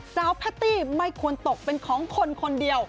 แพตตี้ไม่ควรตกเป็นของคนคนเดียว